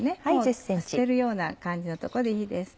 もう捨てるような感じのとこでいいです。